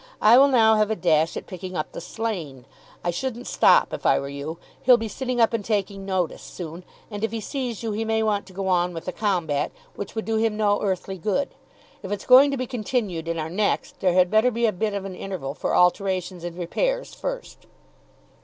I will now have a dash at picking up the slain. I shouldn't stop, if I were you. He'll be sitting up and taking notice soon, and if he sees you he may want to go on with the combat, which would do him no earthly good. If it's going to be continued in our next, there had better be a bit of an interval for alterations and repairs first."